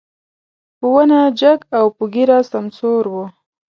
په ونه جګ او په ږيره سمسور و.